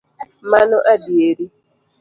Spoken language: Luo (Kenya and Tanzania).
Mano adieri